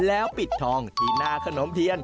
แล้วปิดทองที่หน้าขนมเทียน